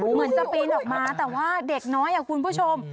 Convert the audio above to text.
เหมือนจะปีนออกมาแต่ว่าเด็กน้อยคุณผู้ชม